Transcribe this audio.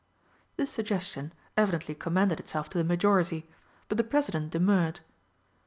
This suggestion evidently commended itself to the majority, but the President demurred.